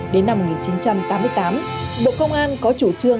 đến năm một nghìn chín trăm tám mươi tám bộ công an có chủ trương